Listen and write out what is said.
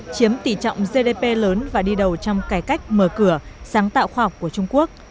chiếm tỷ trọng gdp lớn và đi đầu trong cải cách mở cửa sáng tạo khoa học của trung quốc